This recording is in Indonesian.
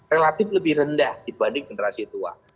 relatif lebih rendah dibanding generasi tua